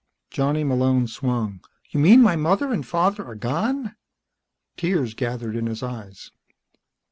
Johnny Malone swung. "You mean my mother and father are gone?" Tears gathered in his eyes.